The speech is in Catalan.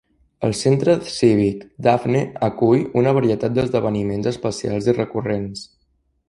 El centre cívic Daphne acull una varietat d'esdeveniments especials i recurrents.